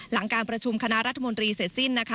หลังการประชุมคณะรัฐมนตรีเสร็จสิ้นนะคะ